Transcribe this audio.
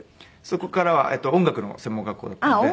そこからは音楽の専門学校だったので。